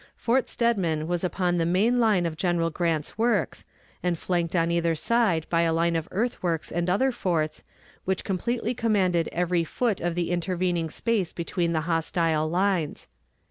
Fort Steadman was upon the main line of General Grant's works, and flanked on either side by a line of earthworks and other forts, which completely commanded every foot of the intervening space between the hostile lines.